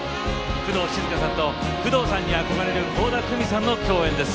工藤静香さんと工藤さんに憧れる倖田來未さんの共演です。